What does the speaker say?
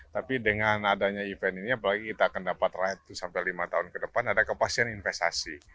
tapi dengan adanya event ini apalagi kita akan dapat ratus sampai lima tahun ke depan ada kepastian investasi